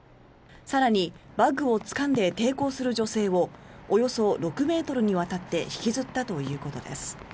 更に、バッグをつかんで抵抗する女性をおよそ６ｍにわたって引きずったということです。